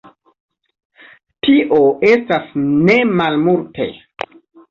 Tio estas nemalmulte.